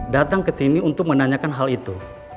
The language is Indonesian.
datang ke sini untuk menanyakan hal itu